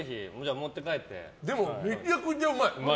でもめちゃくちゃうまい。